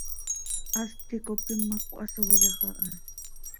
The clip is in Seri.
Hast ticop imac cöhasooyaj aha.